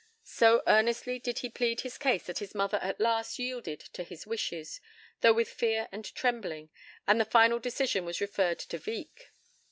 So earnestly did he plead his case that his mother at last yielded to his wishes, though with fear and trembling, and the final decision was referred to Wieck.